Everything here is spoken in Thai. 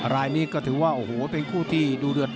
รายนี้ก็ถือว่าโอ้โหเป็นคู่ที่ดูเดือด